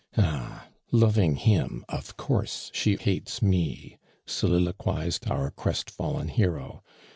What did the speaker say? "Ah! loving him, of course aho hates me!" aoliloquized our ci pstfallen hero.